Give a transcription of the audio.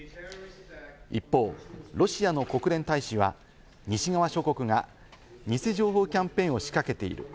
一方、ロシアの国連大使は、西側諸国が、偽情報キャンペーンを仕掛けている。